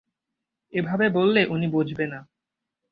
এভাবে বললে উনি বুঝবে না।